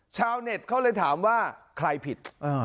ชาวเน็ตเขาเลยถามว่าใครผิด